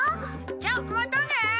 じゃあまたね。